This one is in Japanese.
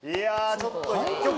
ちょっと１曲目。